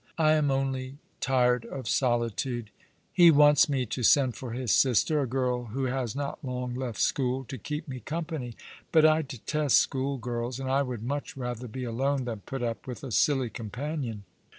I am only tired of solitude. He wants me to send for his sister — a girl who has not long left school — to keep me company ; but I detest school girls, and I would much rather be alone than put up with a silly companion."